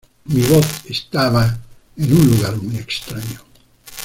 Mi voz estaba en un lugar muy extraño".